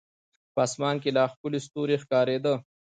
په اسمان کې لا ښکلي ستوري ښکارېده.